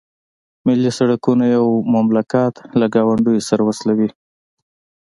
ملي سرکونه یو مملکت له ګاونډیو سره وصلوي